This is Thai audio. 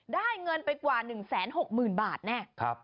ได้เงินไปกว่า๑๖๐๐๐บาทแน่